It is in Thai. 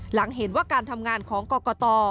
หลังเห็นว่าการทำงานของกรกต